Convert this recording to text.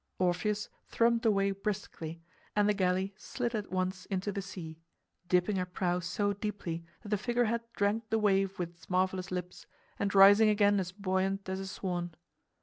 Orpheus thrummed away briskly and the galley slid at once into the sea, dipping her prow so deeply that the figurehead drank the wave with its marvelous lips, and rising again as buoyant as a swan.